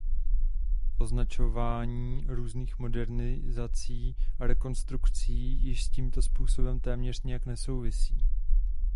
Označování různých modernizací a rekonstrukcí již s tímto způsobem téměř nijak nesouvisí.